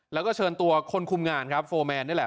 แล้วก็เชิญตัวคนคุมงานครับโฟร์แมนนี่แหละ